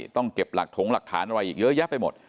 ต้องเก็บหลักถงหลักฐานอะไรอีกเยอะแยะไปหมด